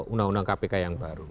undang undang kpk yang baru